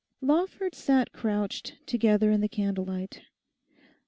Lawford sat crouched together in the candle light.